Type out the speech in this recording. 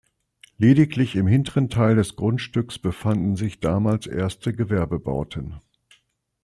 Lediglich im hinteren Teil des Grundstücks befanden sich damals erste Gewerbebauten.